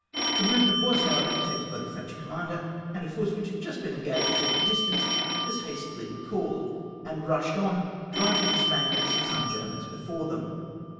The movement was, however, detected by the French commander, and a force which had just been engaged at a distance was hastily recalled, and rushed on, driving the Spaniards and some Germans before them.